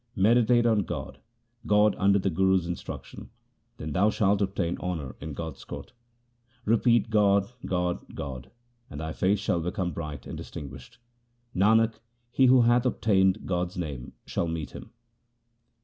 Meditate on God, God under the Guru's instruction, then shalt thou obtain honour in God's court. io8 THE SIKH RELIGION Repeat, God, God, God, and thy face shall become bright and distinguished. Nanak, he who hath obtained God's name shall meet Him.